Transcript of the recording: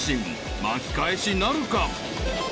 ［巻き返しなるか］